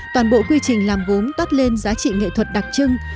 toàn bộ quy trình làm gốm toát lên giá trị nghệ thuật đặc trưng